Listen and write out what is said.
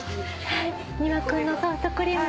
はい丹羽君のソフトクリームを。